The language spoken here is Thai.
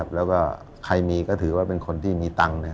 แล้วก็ใครมีก็ถือว่าเป็นคนที่มีตังค์